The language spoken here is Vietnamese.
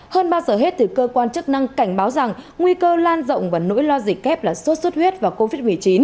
hơn bao giờ hết cơ quan chức năng cảnh báo rằng nguy cơ lan rộng và nỗi lo dịch kép là sốt xuất huyết và covid một mươi chín